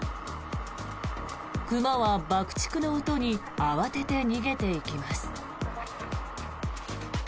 熊は爆竹の音に慌てて逃げていきます。